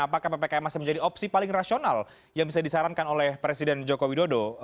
apakah ppkm masih menjadi opsi paling rasional yang bisa disarankan oleh presiden joko widodo